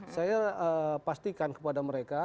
saya pastikan kepada mereka